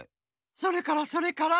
それからそれから？